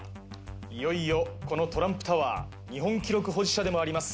いよいよこのトランプタワー日本記録保持者でもあります